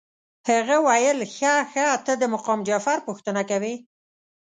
هغه ویل ښه ښه ته د مقام جعفر پوښتنه کوې.